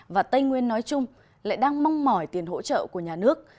và tây nguyên nói chung lại đang mong mỏi tiền hỗ trợ của nhà nước